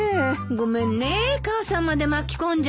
ごめんね母さんまで巻き込んじゃって。